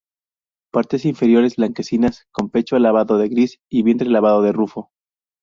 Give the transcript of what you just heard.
Partes inferiores blanquecinas con pecho lavado de gris y vientre lavado de rufo.